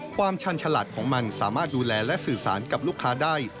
ความชันฉลาดของมันสามารถดูแลและสื่อสารกับลูกค้าได้